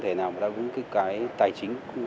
thế nào mà ta cũng cái cái tài chính